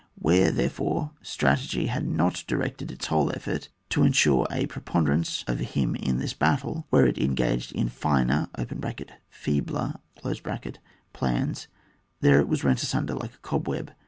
Where, therefore, strategy had not directed its whole effort to ensure a pre ponderance over him in this battle, where it engaged in finer (feebler) plans, there it was rent asunder like a cobweb.